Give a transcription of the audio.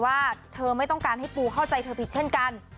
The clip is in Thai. ว่าเธอไม่ต้องการให้ปูเข้าใจเธอผิดเช่นกัน